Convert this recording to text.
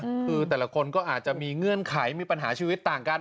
คือแต่ละคนก็อาจจะมีเงื่อนไขมีปัญหาชีวิตต่างกัน